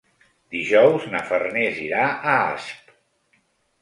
Dijous na Farners irà a Asp.